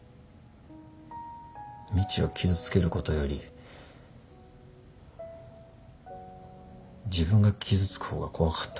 みちを傷つけることより自分が傷つく方が怖かった。